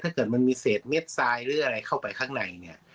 ถ้าเกิดมันมีเศษเม็ดทรายหรืออะไรเข้าไปข้างในเนี่ย